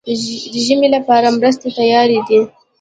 د ژمي لپاره مرستې تیارې دي؟